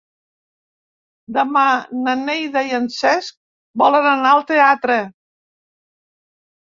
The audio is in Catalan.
Demà na Neida i en Cesc volen anar al teatre.